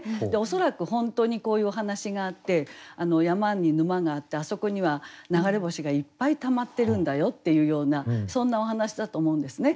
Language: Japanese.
恐らく本当にこういうお話があって山に沼があってあそこには流れ星がいっぱいたまってるんだよっていうようなそんなお話だと思うんですね。